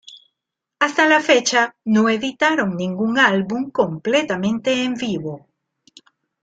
Hasta la fecha no editaron ningún álbum completamente en vivo.